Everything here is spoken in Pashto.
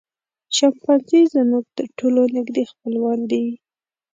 شامپانزي زموږ تر ټولو نږدې خپلوان دي.